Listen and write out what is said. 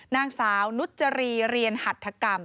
นางสาวนุจรีเรียนหัฐกรรม